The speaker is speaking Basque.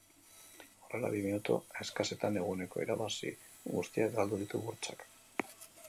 Horrela, bi minutu eskasetan eguneko irabazi guztiak galdu ditu burtsak.